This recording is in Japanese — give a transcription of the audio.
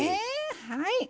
はい。